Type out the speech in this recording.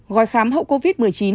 gọi khám hậu covid một mươi chín